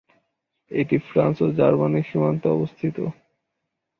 এটি ফ্রান্স ও জার্মানির সীমান্তে অবস্থিত।